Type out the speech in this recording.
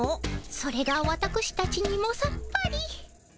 それがわたくしたちにもさっぱり。